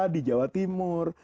di jawa timur